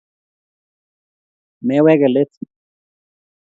Mewege let